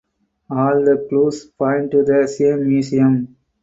All the clues point to the same museum.